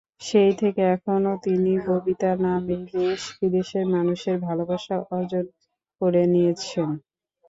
সেই থেকে এখনো তিনি ববিতা নামেই দেশ-বিদেশের মানুষের ভালোবাসা অর্জন করে নিয়েছেন।